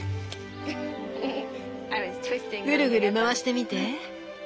ぐるぐる回してみて。